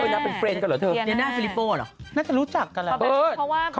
เดียน่าเฟรลิโปร์เหรอ